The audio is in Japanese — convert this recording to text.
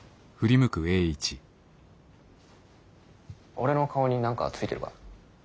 俺の顔に何かついてるか？